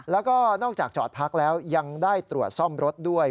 แล้วก็นอกจากจอดพักแล้วยังได้ตรวจซ่อมรถด้วย